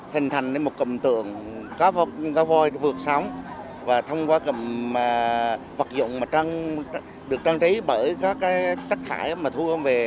hình thành một cầm tượng cá voi vượt sóng và thông qua cầm vật dụng được trang trí bởi các chất khải mà thu công về